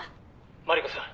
マリコさん